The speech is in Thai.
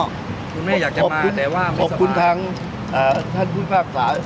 คุณแม่อยากจะมาแต่ว่าไม่สบายขอบคุณทั้งอ่าท่านคุณภาคสา